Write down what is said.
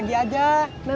gue selalu curah